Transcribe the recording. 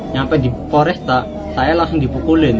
sampai di koresta saya langsung dibukulin